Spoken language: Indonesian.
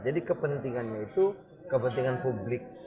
jadi kepentingannya itu kepentingan publik